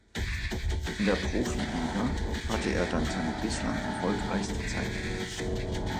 In der Profiliga hatte er dann seine bislang erfolgreichste Zeit.